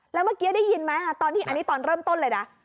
แล้วเมื่อกี้ได้ยินไหมตอนที่อันนี้ตอนเริ่มต้นเลยนะ